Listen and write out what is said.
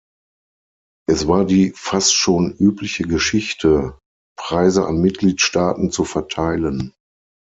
Es war die fast schon übliche Geschichte, Preise an Mitgliedstaaten zu verteilen.